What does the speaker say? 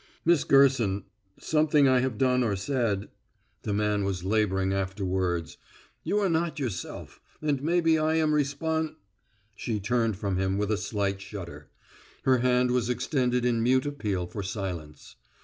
"Miss Gerson, something I have done or said" the man was laboring after words "you are not yourself, and maybe I am respon " She turned from him with a slight shudder. Her hand was extended in mute appeal for silence.